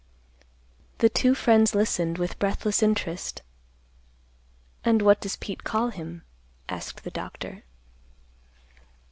The two friends listened with breathless interest. "And what does Pete call him?" asked the doctor.